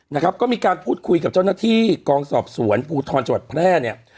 นะครับก็มีการพูดคุยกับเจ้าหน้าที่กองสอบสวนภูทรจังหวัดแพร่เนี่ย